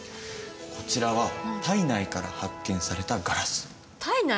こちらは胎内から発見されたガラス胎内？